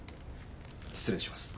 失礼します。